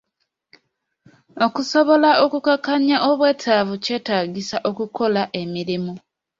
Okusobola okukakkanya obwetaavu kyetaagisa okukola emirimu